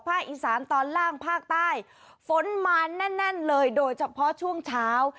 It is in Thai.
อีสานตอนล่างภาคใต้ฝนมาแน่นเลยโดยเฉพาะช่วงเช้า